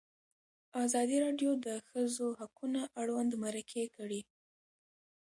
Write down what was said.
ازادي راډیو د د ښځو حقونه اړوند مرکې کړي.